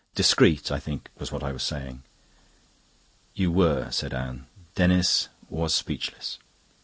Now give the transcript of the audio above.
Discrete, I think, was what I was saying." "You were," said Anne. Denis was speechless.